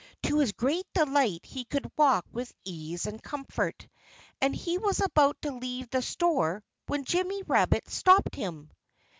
To his great delight he could walk with ease and comfort. And he was about to leave the store when Jimmy Rabbit stopped him.